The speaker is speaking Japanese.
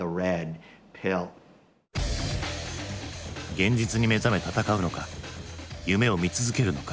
現実に目覚め戦うのか夢を見続けるのか。